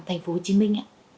thành phố hồ chí minh